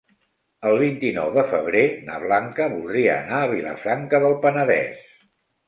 El vint-i-nou de febrer na Blanca voldria anar a Vilafranca del Penedès.